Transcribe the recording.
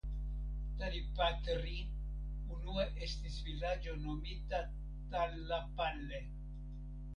Tadipatri unue estis vilaĝo nomita Tallapalle.